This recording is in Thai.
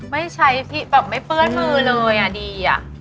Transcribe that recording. ไม่ใช้พี่แบบไม่เปิ้ลมือเลยอ่ะดีอ่ะ